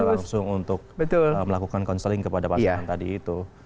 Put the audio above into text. langsung untuk melakukan counseling kepada pasangan tadi itu